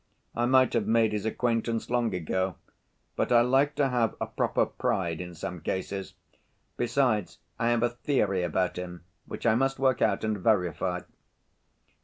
I might have made his acquaintance long ago, but I like to have a proper pride in some cases. Besides, I have a theory about him which I must work out and verify."